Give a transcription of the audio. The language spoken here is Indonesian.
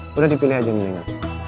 sudah dipilih saja nino